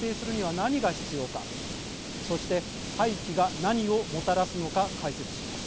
そして廃棄が何をもたらすのか解説します。